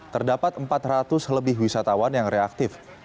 terdapat empat ratus lebih wisatawan yang reaktif